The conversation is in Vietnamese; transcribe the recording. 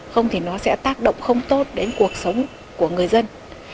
không thì nó sẽ tác động không tốt đến cuộc sống của người dân